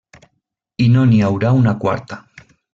I no n'hi haurà una quarta.